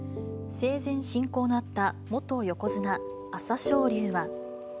生前親交のあった元横綱・朝青龍は。